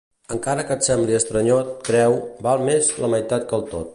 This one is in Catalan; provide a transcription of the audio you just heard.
Encara que et sembli estranyot, creu, val més la meitat que el tot.